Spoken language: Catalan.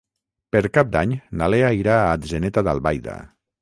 Per Cap d'Any na Lea irà a Atzeneta d'Albaida.